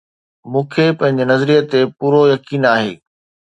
مون کي پنهنجي نظريي تي پورو يقين آهي